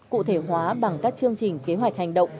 cụ thể hóa bằng các chương trình kế hoạch hành động